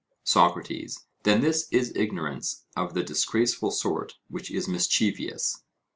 SOCRATES: Then this is ignorance of the disgraceful sort which is mischievous?